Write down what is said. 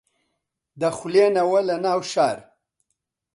دەخولێنەوە لە ناو شار